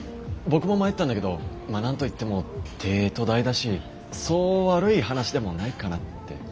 僕も迷ったんだけどまあ何と言っても帝都大だしそう悪い話でもないかなって。